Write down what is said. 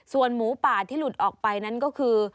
ส่วนหมูป่าที่หลุดออกไปนั้นก็คือ